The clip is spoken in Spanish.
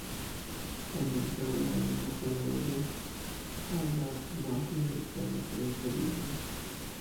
Ambientado en una parodia a la mafia americana e italiana.